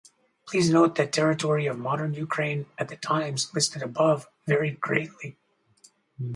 Please note that territory of modern Ukraine at the times listed above varied greatly.